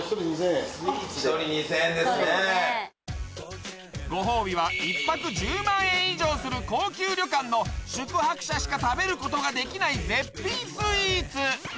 １人２０００円ですねご褒美は１泊１０万円以上する高級旅館の宿泊者しか食べることができない絶品スイーツ